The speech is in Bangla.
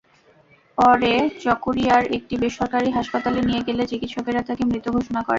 পরে চকরিয়ার একটি বেসরকারি হাসপাতালে নিয়ে গেলে চিকিৎসকেরা তাকে মৃত ঘোষণা করেন।